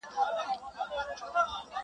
• کليوال ژوند بدل ښکاري ظاهراً,